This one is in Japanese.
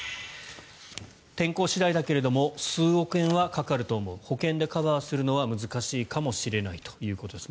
天候次第だけども数億円はかかると思う保険でカバーするのは難しいかもしれないということです。